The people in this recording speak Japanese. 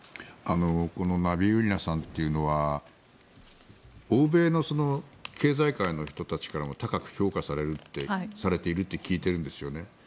このナビウリナさんというのは欧米の経済界の人たちからも高く評価されているって聞いているんですよね。